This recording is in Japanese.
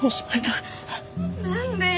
なんでよ。